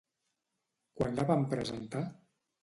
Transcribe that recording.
Quan la van presentar?